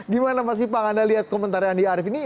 gimana mas ipang anda lihat komentarnya andi arief ini